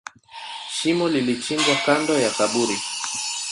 Shimo lilichimbwa kando ya kaburi.